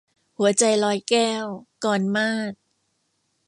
หัวใจลอยแก้ว - กรมาศ